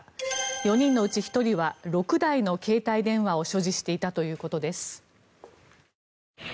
４人のうち１人は６台の携帯電話を所持していたということです。